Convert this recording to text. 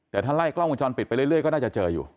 แต่ถ้าไล่กล้องวงจรปิดไปเรื่อยก็น่าจะเจออยู่